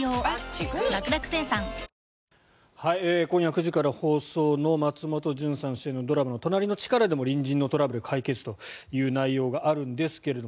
今夜９時から放送の松本潤さん主演のドラマ「となりのチカラ」でも隣人のトラブル解決という内容があるんですが